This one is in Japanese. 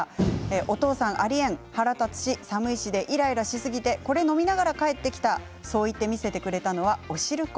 お父さん、ありえん、腹立つし寒い日でイライラしすぎてこれ飲みながら帰ってきたそう言って見せてくれたのはお汁粉。